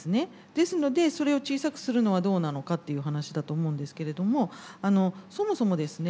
ですのでそれを小さくするのはどうなのかっていう話だと思うんですけれどもそもそもですね